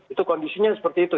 itu kondisinya seperti itu